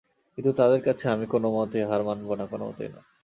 কিন্তু তাদের কাছে আমি কোনোমতেই হার মানব না– কেনোমতেই না।